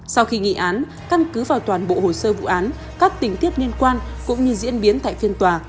sau khi nghị án căn cứ vào toàn bộ hồ sơ vụ án các tình tiết liên quan cũng như diễn biến tại phiên tòa